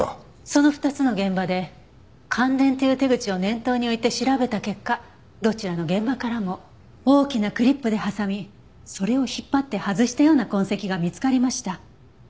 その２つの現場で感電という手口を念頭に置いて調べた結果どちらの現場からも大きなクリップで挟みそれを引っ張って外したような痕跡が見つかりました。